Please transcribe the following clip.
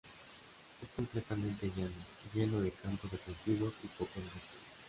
Es completamente llano, lleno de campos de cultivos y pocos bosques.